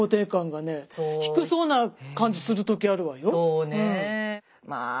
そうねえ。